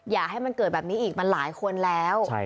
อย่าให้มันเกิดแบบนี้อีกมันหลายคนแล้ว